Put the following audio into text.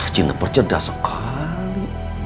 cineper cerdas sekali